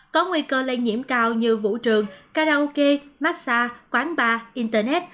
có nguy cơ lây nhiễm cao như vũ trường karaoke massage quán bar internet